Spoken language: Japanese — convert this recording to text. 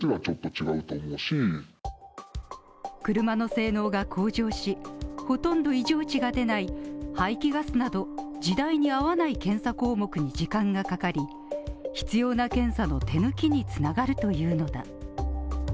車の性能が向上し、ほとんど異常値が出ない排気ガスなど、時代に合わない検査項目に時間がかかり、必要な検査の手抜きにつながるというのだ。